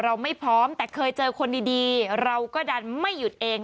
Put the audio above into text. ไม่พร้อมแต่เคยเจอคนดีเราก็ดันไม่หยุดเอง